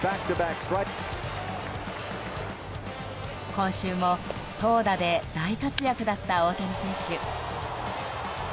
今週も投打で大活躍だった大谷選手。